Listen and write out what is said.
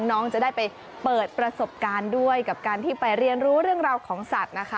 น้องจะได้ไปเปิดประสบการณ์ด้วยกับการที่ไปเรียนรู้เรื่องราวของสัตว์นะคะ